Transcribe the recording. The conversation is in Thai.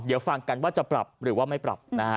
เดี๋ยวฟังกันว่าจะปรับหรือว่าไม่ปรับนะฮะ